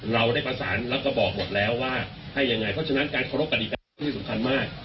เราได้ประสานแล้วก็บอกหมดแล้วว่าให้ยังไงเพราะฉะนั้นการเคารพกฎิกานี่สำคัญมาก